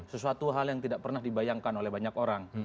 sesuatu hal yang tidak pernah dibayangkan oleh banyak orang